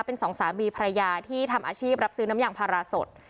เป็นสองสามีภรรยาที่ทำอาชีพรับซื้อน้ำยางพาราสด